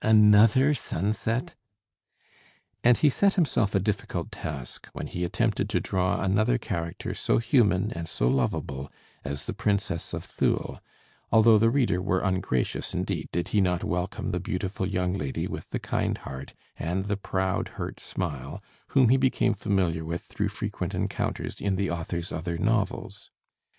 another sunset!" And he set himself a difficult task when he attempted to draw another character so human and so lovable as the Princess of Thule, although the reader were ungracious indeed did he not welcome the beautiful young lady with the kind heart and the proud, hurt smile, whom he became familiar with through frequent encounters in the author's other novels.